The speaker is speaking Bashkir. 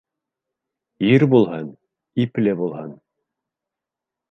Ир булһын, ипле булһын.